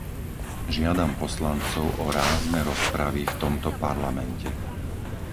Žiadam poslancov o rázne rozpravy v tomto Parlamente.